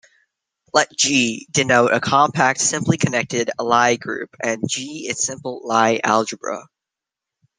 Let "G" denote a compact simply-connected Lie group and "g" its simple Lie algebra.